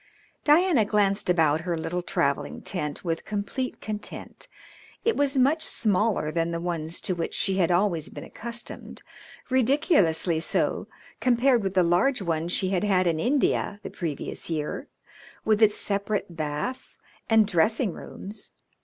Diana glanced about her little travelling tent with complete content. It was much smaller than the ones to which she had always been accustomed, ridiculously so compared with the large one she had had in India the previous year, with its separate bath and dressing rooms.